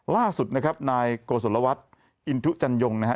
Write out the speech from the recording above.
ล่าสุดนะครับนายโกศลวัฒน์อินทุจันยงนะฮะ